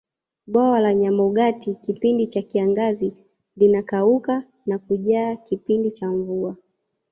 bwawa la nyabogati kipindi cha kiangazi linakauka na kujaa kipindi cha mvua